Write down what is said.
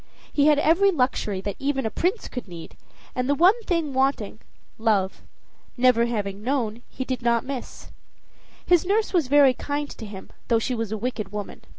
He had every luxury that even a prince could need, and the one thing wanting, love, never having known, he did not miss. His nurse was very kind to him though she was a wicked woman.